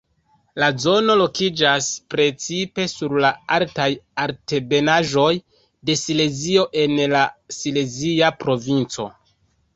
La zono lokiĝas precipe sur la altaj altebenaĵoj de Silezio en la Silezia provinco.